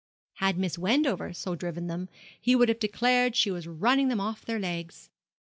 Had Miss Wendover so driven them, he would have declared she was running them off their legs.